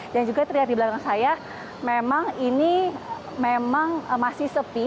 dan juga terlihat di belakang saya memang ini masih sepi